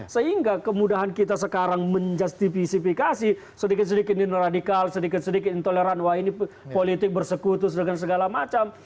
sehingga kemudahan kita sekarang menjustifikasi sedikit sedikit ini radikal sedikit sedikit intoleran wah ini politik bersekutu dengan segala macam